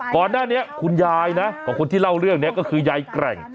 ก่อนหน้านี้คุณยายนะของคนที่เล่าเรื่องนี้ก็คือยายแกร่ง